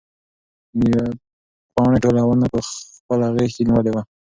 پاڼې ټوله ونه په خپله غېږ کې نیولې وه.